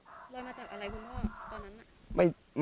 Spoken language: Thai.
อะไรมาจากอะไรคุณพ่อตอนนั้นน่ะ